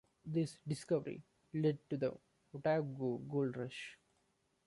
This discovery led to the Otago Gold Rush.